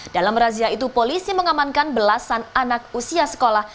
dalam razia itu polisi mengamankan belasan anak usia sekolah